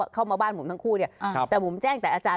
เข้ามาบ้านผมทั้งคู่เนี่ยแต่ผมแจ้งแต่อาจารย์